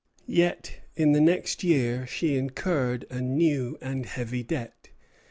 Yet in the next year she incurred a new and heavy debt.